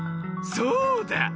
そうだ！